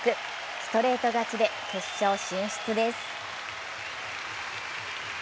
ストレート勝ちで決勝進出です。